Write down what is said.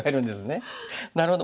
なるほど。